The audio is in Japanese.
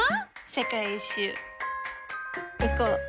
世界一周いこう。